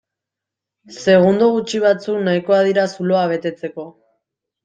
Segundo gutxi batzuk nahikoa dira zuloa betetzeko.